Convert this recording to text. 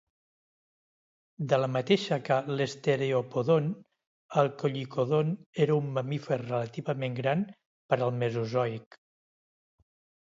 De la mateixa que l'Stereopodon, el Kollikodon era un mamífer relativament gran per al mesozoic.